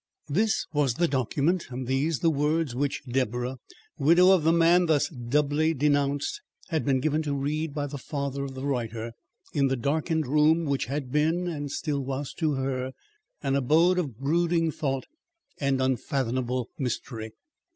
This was the document and these the words which Deborah, widow of the man thus doubly denounced, had been given to read by the father of the writer, in the darkened room which had been and still was to her, an abode of brooding thought and unfathomable mystery.